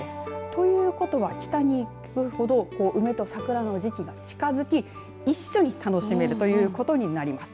ということは北に行くほど梅と桜の時期が近づき一緒に楽しめるということになります。